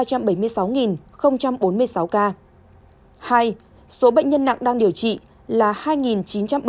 hai số bệnh nhân nặng đang điều trị là hai chín trăm bảy mươi chín ca